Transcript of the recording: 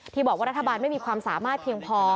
บอกว่ารัฐบาลไม่มีความสามารถเพียงพอ